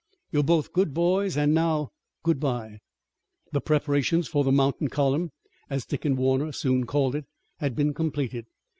You are both good boys and now, good bye." The preparations for the mountain column, as Dick and Warner soon called it, had been completed.